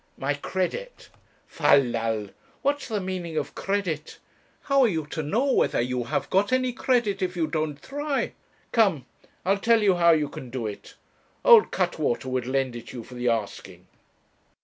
'My credit.' 'Fal lal. What's the meaning of credit? How are you to know whether you have got any credit if you don't try? Come, I'll tell you how you can do it. Old Cuttwater would lend it you for the asking.'